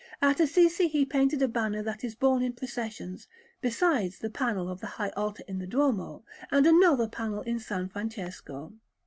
At Assisi he painted a banner that is borne in processions, besides the panel of the high altar in the Duomo, and another panel in S. Francesco.